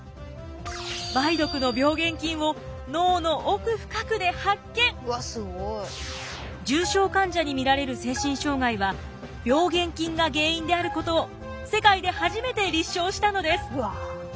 梅毒の重症患者に見られる精神障害は病原菌が原因であることを世界で初めて立証したのです。